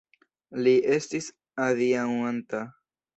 Li estis adiaŭanta.